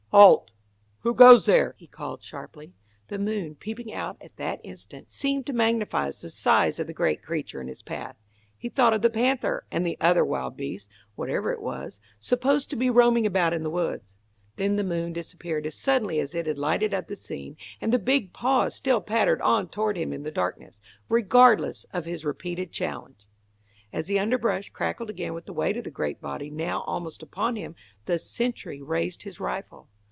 "Halt! Who goes there?" he called, sharply. The moon, peeping out at that instant, seemed to magnify the size of the great creature in his path. He thought of the panther and the other wild beast, whatever it was, supposed to be roaming about in the woods. Then the moon disappeared as suddenly as it had lighted up the scene, and the big paws still pattered on toward him in the darkness, regardless of his repeated challenge. As the underbrush crackled again with the weight of the great body now almost upon him, the sentry raised his rifle.